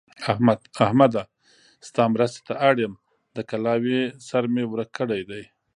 احمده! ستا مرستې ته اړ يم؛ د کلاوې سر مې ورک کړی دی.